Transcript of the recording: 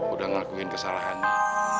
udah ngelakuin kesalahannya